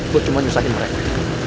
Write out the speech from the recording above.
lo cuma nyusahin mereka